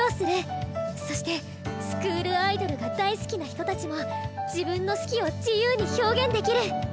そしてスクールアイドルが大好きな人たちも自分の好きを自由に表現できる。